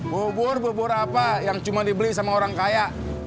bubur bubur apa yang cuma dibeli sama orang kaya